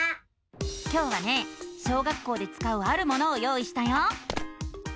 今日はね小学校でつかうあるものを用意したよ！